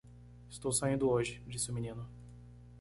"Estou saindo hoje?" disse o menino.